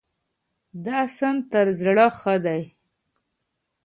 دا سند تر زاړه ښه دی.